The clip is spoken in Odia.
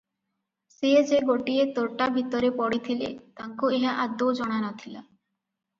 ସେ ଯେ ଗୋଟିଏ ତୋଟା ଭିତରେ ପଡ଼ିଥିଲେ ତାଙ୍କୁ ଏହା ଆଦୌ ଜଣା ନଥିଲା ।